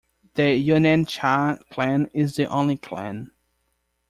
The Yeonan Cha clan is the only clan.